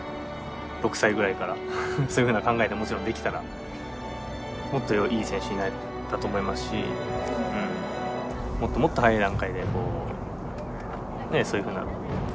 ６歳ぐらいからそういうふうな考えでもちろんできたらもっといい選手になれたと思いますしもっともっと早い段階でそういうふうなことを考えながらできたらよかったのかなと。